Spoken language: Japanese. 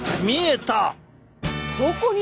どこに？